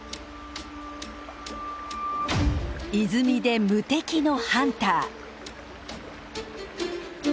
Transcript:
泉で無敵のハンター。